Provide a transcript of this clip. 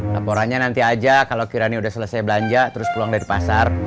laporannya nanti aja kalau kirani udah selesai belanja terus pulang dari pasar